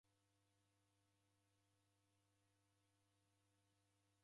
Daendapwana kiw'achenyi.